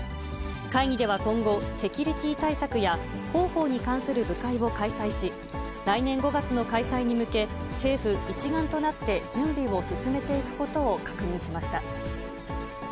会議では今後、セキュリティー対策や広報に関する部会を開催し、来年５月の開催に向け、政府一丸となって準備を進めていくことを確認しました。